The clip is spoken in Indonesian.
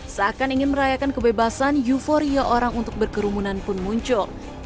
seakan ingin merayakan kebebasan euforia orang untuk berkerumunan pun muncul